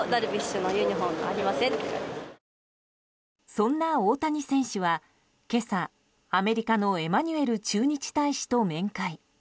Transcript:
そんな大谷選手は今朝アメリカのエマニュエル駐日大使と面会。